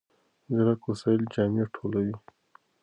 ځیرک وسایل جامې ټولوي.